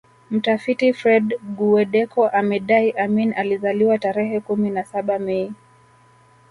Mtafiti Fred Guweddeko amedai Amin alizaliwa tarehe kumi na saba Mei